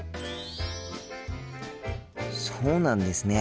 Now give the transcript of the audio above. そうなんですね。